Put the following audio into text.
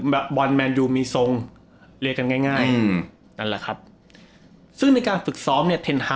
แบบมีทรงเรียกกันง่ายง่ายอืมนั่นแหละครับซึ่งในการฝึกซ้อมเนี้ย